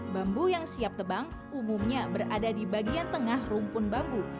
bambu yang siap tebang umumnya berada di bagian tengah rumpun bambu